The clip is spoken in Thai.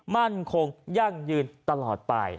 มั่นคงยั่งยืนตลอดไป